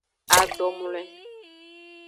Adomloe.